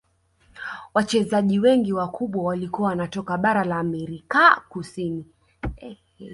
Wachezaji wengi wakubwa walikuwa wanatoka bara la amerika kusini